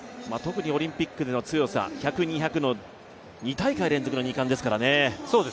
特にオリンピックでの強さ１００、２００の２大会連続の２冠ですからね。